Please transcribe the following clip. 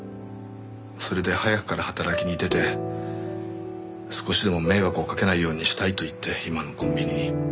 それで早くから働きに出て少しでも迷惑をかけないようにしたいといって今のコンビニに。